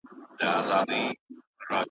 وېره .